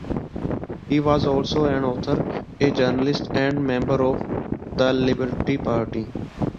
He was also an author, a journalist and a member of the Liberal Party.